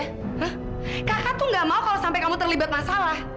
kakak tuh gak mau kalau sampai kamu terlibat masalah